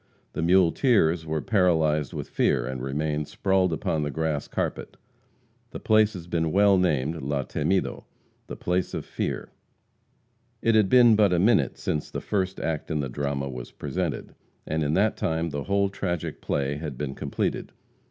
The muleteers were paralyzed with fear, and remained sprawled upon the grass carpet. The place has been well named La Temido (the place of fear.) It had been but a minute since the first act in the drama was presented, and in that time the whole tragic play had been completed.